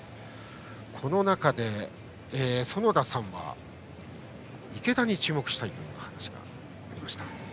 この中で、園田さんは池田に注目したいというお話がありました。